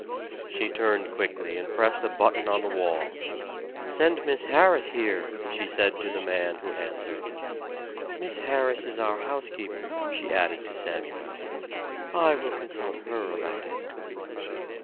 She turned quickly and pressed a button on the wall. "Send Mrs. Harris here," she said to the man who answered. "Mrs. Harris is our housekeeper," she added to Samuel. "I will consult her about it."